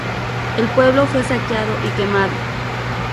El pueblo fue saqueado y quemado.